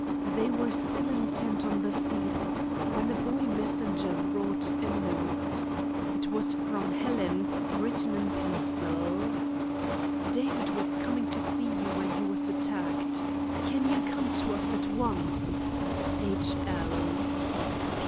They were still intent on the feast when a boy messenger brought a note. It was from Helen, written in pencil: "David was coming to see you when he was attacked. Can you come to us at once? "H.L.